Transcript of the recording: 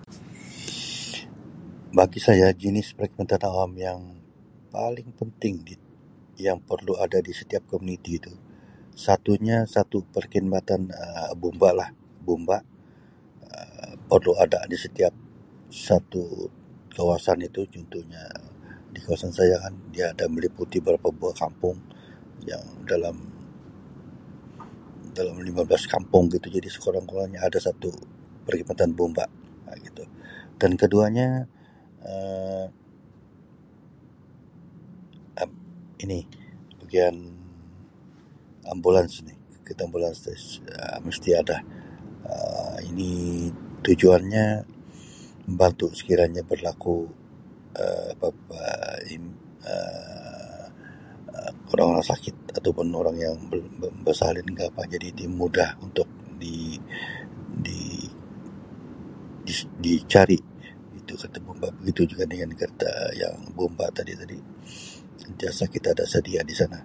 Bagi saya jenis perkhidmatan awam yang paling penting di yang perlu ada disetiap komuniti tu satunya satu perkhidmatan Um bomba lah bomba Um perlu ada di setiap satu kawasan itu contohnya di kawasan saya kan dia ada meliputi beberapa buah kampung yang dalam dalam lima belas kampung begitu jadi sekurang kurangnya ada satu perkhidmatan bomba begitu dan keduanya Um ini bahagian ambulans ni kereta ambulan Um mesti ada Um ini tujuanya membantu sekirannya berlaku Um apa-apa Um orang-orang sakit orang yang belum mau bersalin ka apa jadi dia mudah untuk di-di cari itu kereta bomba begitu juga dengan kereta bomba tadi tadi sentiasa kita ada sedia di sana.